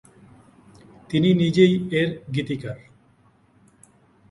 তিনি নিজেই এর গীতিকার।